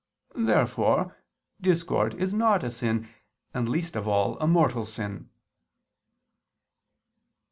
Therefore discord is not a sin, and least of all a mortal sin.